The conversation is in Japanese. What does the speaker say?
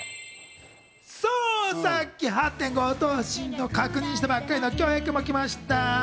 そう、さっき８．５頭身と確認したばっかりの恭平くんも来ました。